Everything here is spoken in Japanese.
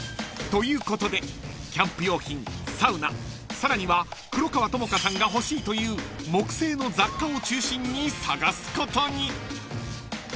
［ということでキャンプ用品サウナさらには黒川智花さんが欲しいという木製の雑貨を中心に探すことに］